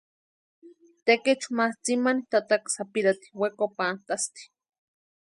Tekechu ma tsimani tataka sapirhati wekopantʼasti.